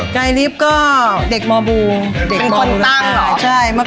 ไกลลิฟต์ก็เด็กมบูรพาค